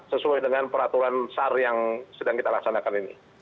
sesuai dengan peraturan sar yang sedang kita laksanakan ini